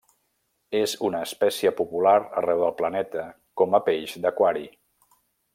És una espècie popular arreu del planeta com a peix d'aquari.